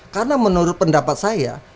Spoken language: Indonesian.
karena menurut pendapat saya